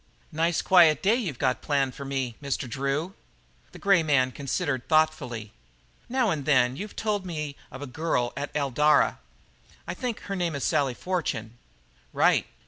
"Nice, quiet day you got planned for me, Mr. Drew." The grey man considered thoughtfully. "Now and then you've told me of a girl at Eldara I think her name is Sally Fortune?" "Right.